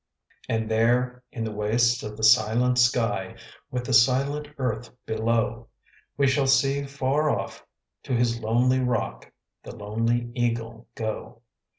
And there in the wastes of the silent sky, With the silent earth below, We shall see far off to his lonely rock The lonely eagle go.